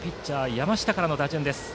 山下からの打順です。